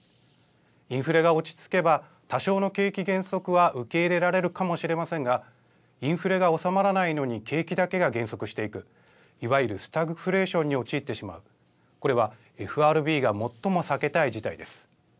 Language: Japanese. インフレが落ち着けば、多少の景気減速は受け入れられるかもしれませんが、インフレが収まらないのに景気だけが減速していく、いわゆるスタグフレーションに陥ってしまう、これは、ＦＲＢが最も避けたい事態です。